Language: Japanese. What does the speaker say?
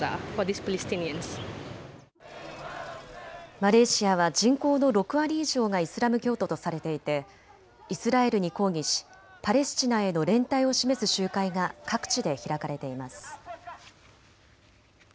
マレーシアは人口の６割以上がイスラム教徒とされていてイスラエルに抗議しパレスチナへの連帯を示す集会が各地で開かれています。